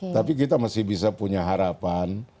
tapi kita masih bisa punya harapan